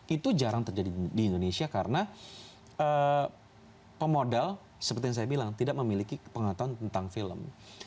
itu jarang terjadi di indonesia karena pemodal seperti yang saya bilang tidak memiliki pengetahuan tentang film